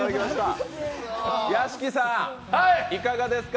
屋敷さん、いかがですか？